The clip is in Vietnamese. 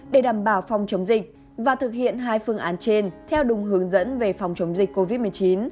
để đảm bảo phòng chống dịch và thực hiện hai phương án trên theo đúng hướng dẫn về phòng chống dịch covid một mươi chín